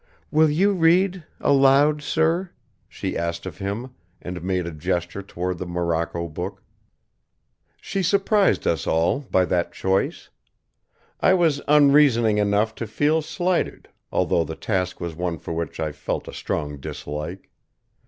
"Will you read, aloud, sir?" she asked of him, and made a gesture toward the morocco book. She surprised us all by that choice. I was unreasoning enough to feel slighted, although the task was one for which I felt a strong dislike.